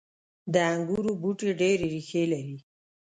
• د انګورو بوټي ډیرې ریښې لري.